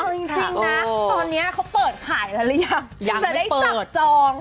เอาจริงนะตอนนี้เขาเปิดขายแล้วหรือยังยังจะได้จับจอง